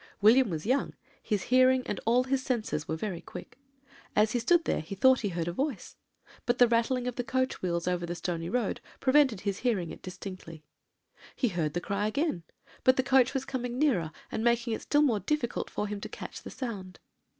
"William was young; his hearing and all his senses were very quick. As he stood there, he thought he heard a voice; but the rattling of the coach wheels over the stony road prevented his hearing it distinctly. He heard the cry again; but the coach was coming nearer, and making it still more difficult for him to catch the sound.